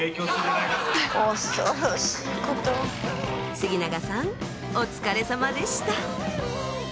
杉長さんお疲れさまでした！